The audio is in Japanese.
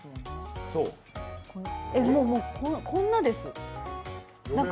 もう、こんなです